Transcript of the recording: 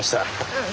うん。